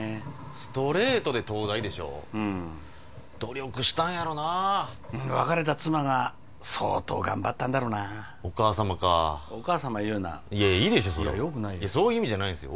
ストレートで東大でしょうん努力したんやろな別れた妻が相当頑張ったんだろなお母様か「お母様」言うないやいいでしょそれはいやよくないよそういう意味じゃないんですよ